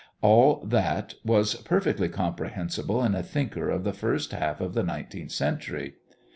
All that was perfectly comprehensible in a thinker of the first half of the nineteenth century.